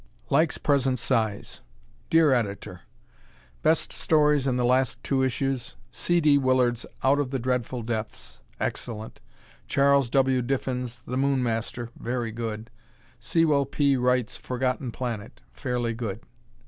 Likes Present Size Dear Editor: Best stories in the last two issues: C. D. Willard's "Out of the Dreadful Depths" (Excellent); Chas. W. Diffin's "The Moon Master" (Very Good); Sewell P. Wright's "Forgotten Planet" (Fairly Good).